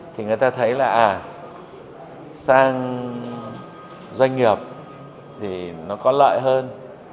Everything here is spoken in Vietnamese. thì người ta thấy là à sang doanh nghiệp thì nó có lợi hơn